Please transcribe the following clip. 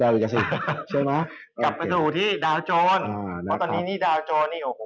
เมื่อวานนี้ตั้งคุณต่างชาติ